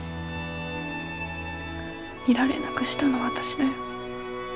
いられなくしたの私だよ。